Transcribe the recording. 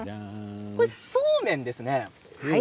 そうめんですね。